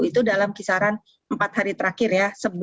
itu dalam kisaran empat hari terakhir ya